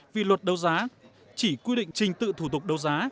vì luật đấu giá chỉ quy định trình tự thủ tục đấu giá